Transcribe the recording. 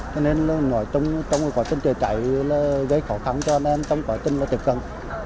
cho nên trong vụ tình trường khái là gây khó khăn cho nên trong vụ tình trường khái là chất cháy